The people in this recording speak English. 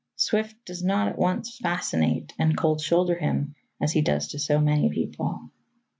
Swift does not at once fascinate and cold shoulder him as he does to so many people.